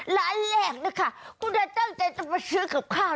ร้านแรกนะคะคุณจะตั้งใจจะมาซื้อกับข้าว